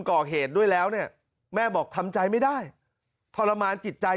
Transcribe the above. ก่อเหตุด้วยแล้วเนี่ยแม่บอกทำใจไม่ได้ทรมานจิตใจ